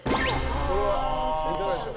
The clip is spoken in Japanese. これはいかがでしょう？